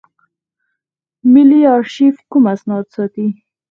ملي آرشیف کوم اسناد ساتي؟